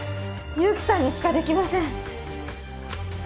勇気さんにしかできません。